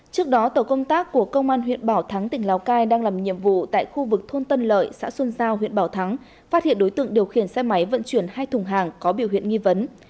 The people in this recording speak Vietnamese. trước đó tổ công tác của công an huyện bảo thắng tỉnh lào cai đang làm nhiệm vụ tại khu vực thôn tân lợi xã xuân giao huyện bảo thắng phát hiện đối tượng điều khiển xe máy vận chuyển hai thùng hàng có biểu hiện nghi vấn